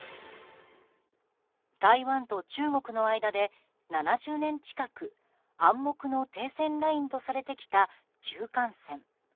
台湾と中国との間で７０年近く暗黙の停戦ラインとされてきた中間線。